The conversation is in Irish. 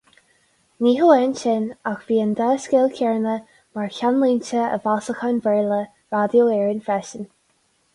Ní hamháin sin, ach bhí an dá scéal chéanna mar cheannlínte i bhfeasacháin Bhéarla Raidió Éireann freisin.